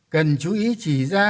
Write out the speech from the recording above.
cần chú ý chỉ ra những vấn đề lớn